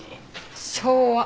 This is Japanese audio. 昭和。